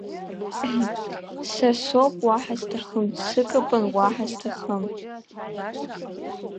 Са соура уаҳа зҭахым, Сыкапан уаҳа зҭахым…